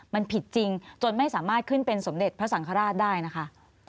มันผิดจริงจนไม่สามารถขึ้นเป็นสมเด็จพระสังฆราชได้นะคะ